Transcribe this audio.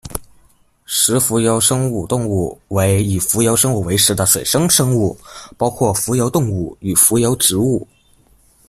食浮游生物动物为以浮游生物为食的水生生物，包括浮游动物与浮游植物。